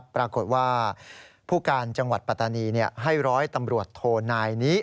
ปรากฏว่าผู้การจังหวัดปัตตานีให้ร้อยตำรวจโทนายนี้